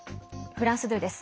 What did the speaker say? フランス２です。